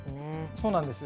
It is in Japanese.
そうなんです。